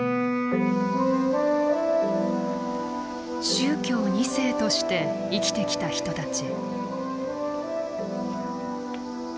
「宗教２世」として生きてきた人たち。